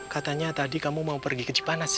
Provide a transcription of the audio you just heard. katanya tadi kamu mau pergi ke jepanas ya